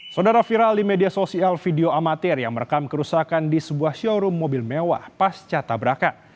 saudara viral di media sosial video amatir yang merekam kerusakan di sebuah showroom mobil mewah pasca tabrakan